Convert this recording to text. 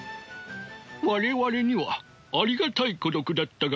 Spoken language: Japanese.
我々にはありがたい孤独だったがね。